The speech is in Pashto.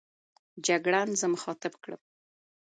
جګړن زه مخاطب کړم.